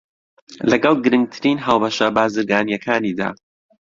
لەگەڵ گرنگترین هاوبەشە بازرگانییەکانیدا